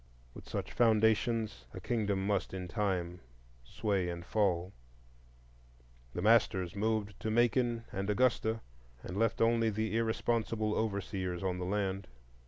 With such foundations a kingdom must in time sway and fall. The masters moved to Macon and Augusta, and left only the irresponsible overseers on the land.